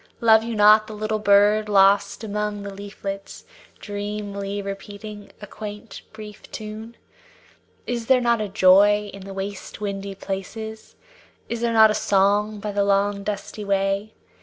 Love you not the little bird lost among the leaflets, Dreamily repeating a quaint, brief tune? Is there not a joy in the waste windy places; Is there not a song by the long dusty way?